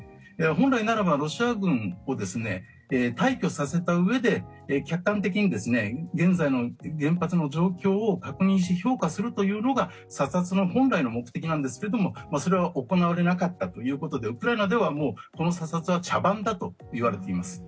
本来ならばロシア軍を退去させたうえで客観的に現在の原発の状況を確認し、評価するというのが査察の本来の目的なんですがそれは行われなかったということでウクライナではもう、この査察は茶番だといわれています。